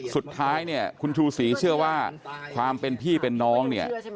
สุดท้ายเนี่ยคุณชูศรีเชื่อว่าความเป็นพี่เป็นน้องเนี่ย